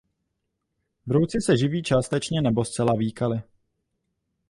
Brouci se živí částečně nebo zcela výkaly.